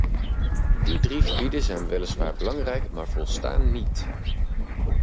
Die drie gebieden zijn weliswaar belangrijk, maar volstaan niet.